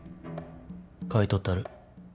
買い取ったる。